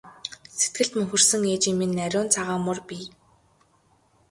Сэтгэлд мөнхөрсөн ээжийн минь ариун цагаан мөр бий!